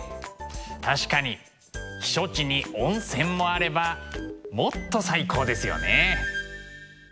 確かに避暑地に温泉もあればもっと最高ですよね。